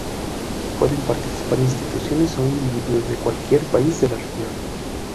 Pueden participar instituciones o individuos de cualquier país de la región.